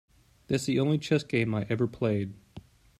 That's the only chess game I ever played.